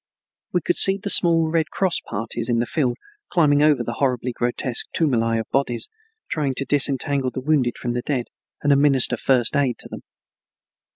We could see the small Red Cross parties in the field climbing over the horribly grotesque tumuli of bodies, trying to disentangle the wounded from the dead and administer first aid to them.